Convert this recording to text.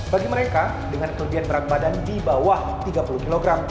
bagi mereka dengan kelebihan berat badan di bawah tiga puluh kg